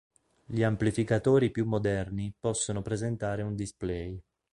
Gli amplificatori più moderni possono presentare un display.